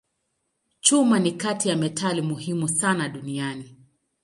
Chuma ni kati ya metali muhimu sana duniani.